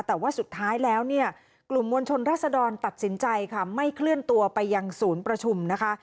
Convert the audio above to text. แต่ว่าสุดท้ายแล้วเนี่ยกลุ่มมวลชนรัศดรตัดสินใจค่ะไม่เคลื่อนตัวไปยังศูนย์ประชุมนะคะ